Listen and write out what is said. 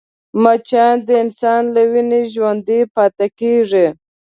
مچان د انسان له وینې ژوندی پاتې کېږي